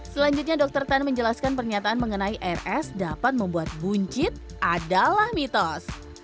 selanjutnya dokter tan menjelaskan pernyataan mengenai rs dapat membuat buncit adalah mitos